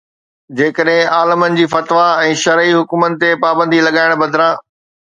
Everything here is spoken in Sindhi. جيڪڏهن عالمن جي فتوائن ۽ شرعي حڪمن تي پابندي لڳائڻ بدران